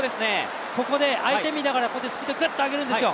ここで相手を見ながらスピードをグッと上げるんですよ。